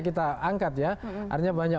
kita angkat ya artinya banyak